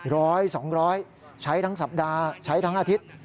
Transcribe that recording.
ร้อยสองร้อยใช้ทั้งสัปดาห์ใช้ทั้งอาทิตย์